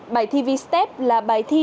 bài thi vstep là bài thi